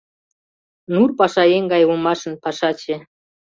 Нур пашаеҥ гай улмашын пашаче.